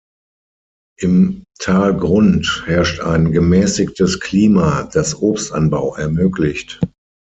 Im Talgrund herrscht ein gemäßigtes Klima, das Obstanbau ermöglicht.